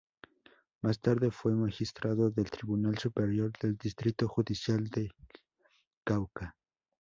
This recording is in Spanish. Más tarde fue Magistrado del Tribunal Superior del Distrito Judicial del Cauca.